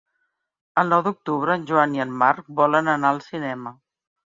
El nou d'octubre en Joan i en Marc volen anar al cinema.